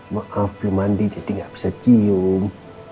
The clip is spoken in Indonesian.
maaf belum mandi jadi nggak bisa cium